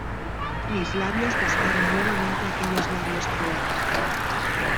mis labios buscaron nuevamente aquellos labios crueles.